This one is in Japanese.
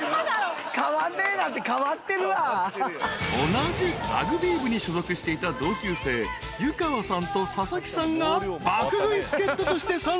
［同じラグビー部に所属していた同級生湯川さんと佐々木さんが爆食い］